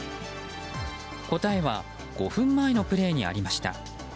答えは５分前のプレーにありました。